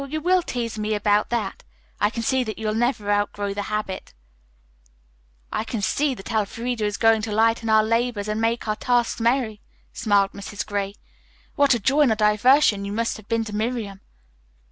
"You will tease me about that. I can see that you'll never outgrow the habit." "I can see that Elfreda is going to lighten our labors and make our tasks merry," smiled Mrs. Gray. "What a joy and a diversion you must have been to Miriam."